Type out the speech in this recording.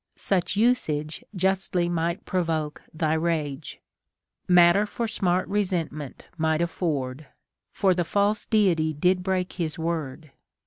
Such usage justly might provoke thy rage, Matter for smart resentment might afford, For the false Deity did break his word.